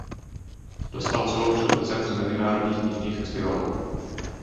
Dostal celou řadu cen z mezinárodních knižních festivalů.